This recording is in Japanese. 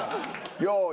用意。